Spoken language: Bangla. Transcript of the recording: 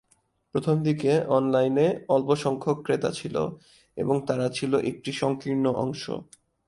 প্রথমদিকে, অনলাইনে অল্প সংখ্যক ক্রেতা ছিল এবং তারা ছিল একটি সংকীর্ণ অংশ।